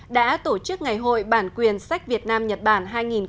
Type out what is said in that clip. đã tổ chức ngày hội bản quyền sách việt nam nhật bản hai nghìn một mươi chín